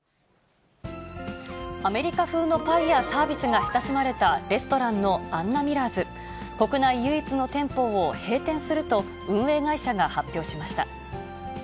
アメリカ風のパイやサービスが親しまれたレストランのアンナミラーズ、国内唯一の店舗を閉店すると運営会社が発表しました。